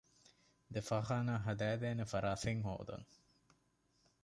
ދެ ފާޚާނާ ހަދައިދޭނެ ފަރާތެއް ހޯދަން